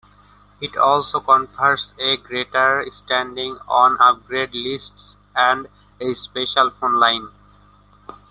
It also confers a greater standing on upgrade lists and a special phone line.